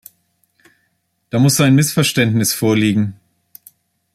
Da muss ein Missverständnis vorliegen.